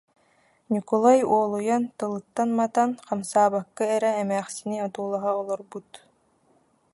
Ньукулай уолуйан, тылыттан матан, хамсаабакка эрэ эмээхсини одуулаһа олорбут